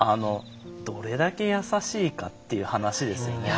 どれだけ優しいかっていう話ですよね。